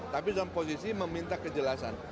tapi dalam posisi meminta kejelasan